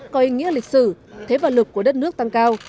có ý nghĩa lịch sử thế và lực của đất nước tăng cao